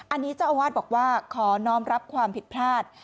อันนี้เจ้าอาวาสบอกว่าขอน้องรับความผิดพลาด